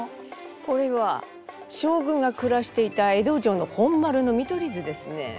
これは将軍が暮らしていた江戸城の本丸の見取り図ですね。